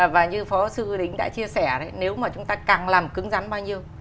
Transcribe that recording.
và như phó sư đính đã chia sẻ nếu mà chúng ta càng làm cứng rắn bao nhiêu